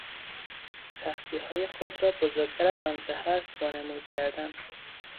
سختیهای خود را بزرگتر از آنچه هست وانمود کردن